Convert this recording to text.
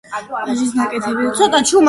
კაჟის ნაკეთობანი დაფარულია მძლავრი პატინით.